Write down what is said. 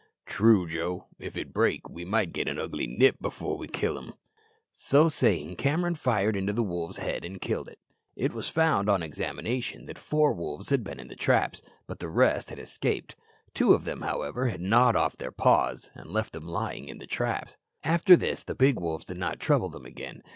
"True, Joe; if it break, we might get an ugly nip before we killed him." So saying Cameron fired into the wolf's head and killed it. It was found, on examination, that four wolves had been in the traps, but the rest had escaped. Two of them, however, had gnawed off their paws and left them lying in the traps. After this the big wolves did not trouble them again.